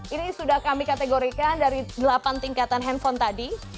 ini sudah kami kategorikan dari delapan tingkatan handphone tadi